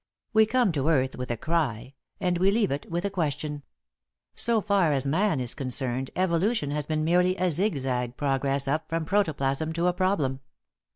We come to earth with a cry, and we leave it with a question. So far as man is concerned, evolution has been merely a zigzag progress up from protoplasm to a problem.